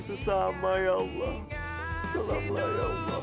sesama ya allah selama ya allah